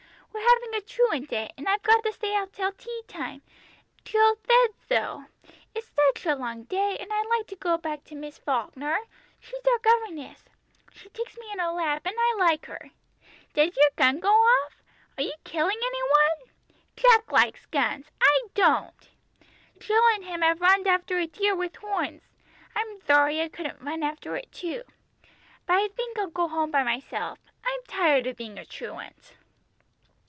"We're having a truant day, and I've got to stay out till tea time Jill thaid so. It is such a long day, and I'd like to go back to Miss Falkner she's our governess. She takes me in her lap, and I like her. Does your gun go off? Are you killing any one? Jack likes guns. I don't! Jill and him have runned after a deer with horns. I'm thorry I couldn't run after it too. But I think I'll go home by myself, I'm tired of being a truant."